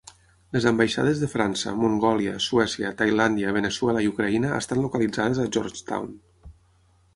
Les ambaixades de França, Mongòlia, Suècia, Tailàndia, Veneçuela i Ucraïna estan localitzades a Georgetown.